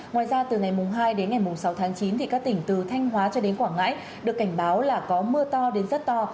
ngoài ra từ ngày hai đến ngày sáu tháng chín các tỉnh từ thanh hóa cho đến quảng ngãi được cảnh báo là có mưa to đến rất to